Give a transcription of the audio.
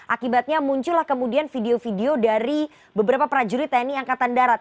akibatnya muncullah kemudian video video dari beberapa prajurit tni angkatan darat